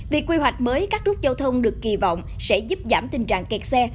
việc quy hoạch mới các nút giao thông được kỳ vọng sẽ giúp giảm tình trạng kẹt xe